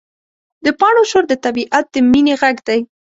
د پاڼو شور د طبیعت د مینې غږ دی.